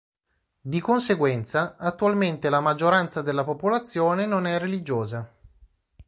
Di conseguenza, attualmente la maggioranza della popolazione non è religiosa.